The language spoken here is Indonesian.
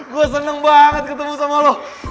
gue seneng banget ketemu sama lo